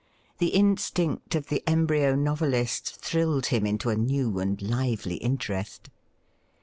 The instinct of the embryo novelist thrilled him into a new and lively interest.